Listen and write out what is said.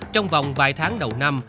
trong vòng vài tháng đầu năm